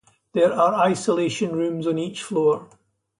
There are Isolation Rooms on each floor.